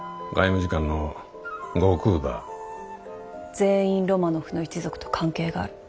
全員ロマノフの一族と関係がある。